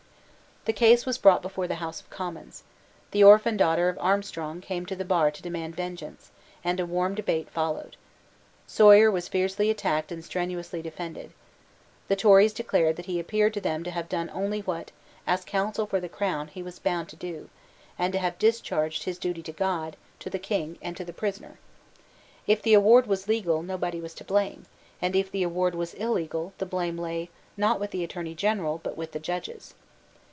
The case was brought before the House of Commons. The orphan daughter of Armstrong came to the bar to demand vengeance; and a warm debate followed. Sawyer was fiercely attacked and strenuously defended. The Tories declared that he appeared to them to have done only what, as counsel for the Crown, he was bound to do, and to have discharged his duty to God, to the King, and to the prisoner. If the award was legal, nobody was to blame; and, if the award was illegal, the blame lay, not with the Attorney General, but with the Judges.